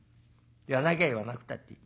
言わなきゃ言わなくたっていい。